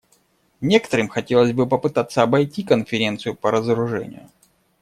Некоторым хотелось бы попытаться обойти Конференцию по разоружению.